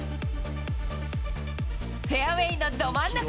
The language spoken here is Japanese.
フェアウエーのど真ん中。